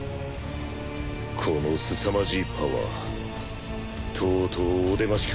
このすさまじいパワーとうとうおでましか。